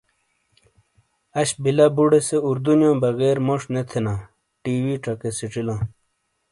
اش بلہ بوڑے سے اردو نیو بغیر موش نے تھینا ٹی ۔وی چکے سیچی لاں۔